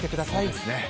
そうですね。